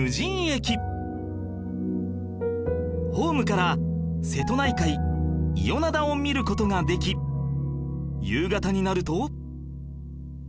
ホームから瀬戸内海伊予灘を見る事ができ夕方になると